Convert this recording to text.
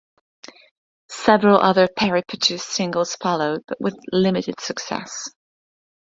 Several other Perry-produced singles followed, but with limited success.